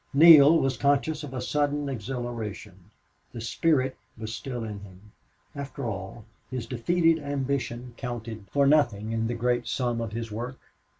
Neale was conscious of a sudden exhilaration. The spirit was still in him. After all, his defeated ambition counted for nothing in the great sum of this work.